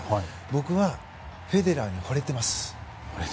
僕はフェデラーに惚れてます。